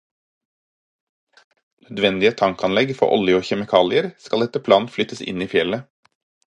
Nødvendige tankanlegg for olje og kjemikalier skal etter planen flyttes inn i fjellet.